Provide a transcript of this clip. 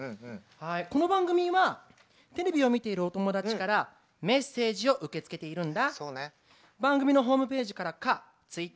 この番組はテレビを見ているお友達からメッセージを受け付けているんだ。